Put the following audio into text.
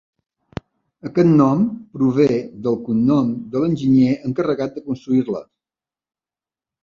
Aquest nom prové del cognom de l'enginyer encarregat de construir-la.